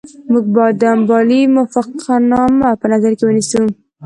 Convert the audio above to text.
موږ باید د امبالې موافقتنامه په نظر کې ونیسو.